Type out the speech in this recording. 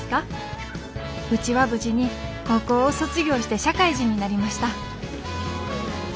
うちは無事に高校を卒業して社会人になりました。